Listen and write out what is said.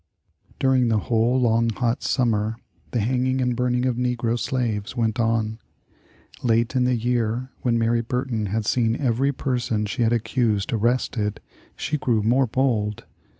During the whole long, hot summer the hanging and burning of negro slaves went on. Late in the year, when Mary Burton had seen every person she had accused arrested, she grew more bold.